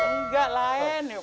nggak lain nih